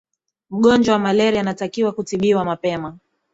mgonjwa wa malaria anatakiwa kutibiwa mapema